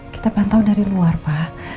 kita pantau dari luar pak